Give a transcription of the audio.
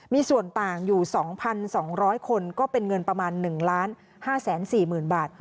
มีส่วนต่างอยู่๒๒๐๐คนก็เป็นเงินประมาณ๑๕๔๐๐๐บาท